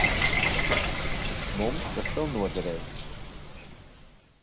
Mums tas vēl noderēs.